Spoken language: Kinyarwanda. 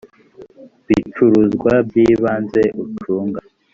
bicuruzwa by ibanze ucunga